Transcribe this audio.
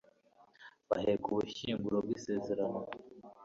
baheka ubushyinguro bw'isezerano